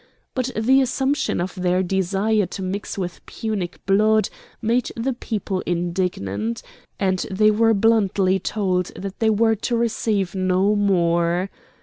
But the assumption of their desire to mix with Punic blood made the people indignant; and they were bluntly told that they were to receive no more.